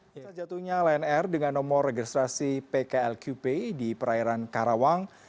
setelah jatuhnya lnr dengan nomor registrasi pklqp di perairan karawang